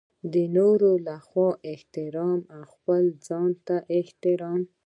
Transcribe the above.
د نورو لخوا احترام او خپل ځانته احترام.